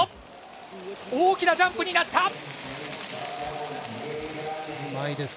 大きなジャンプになった。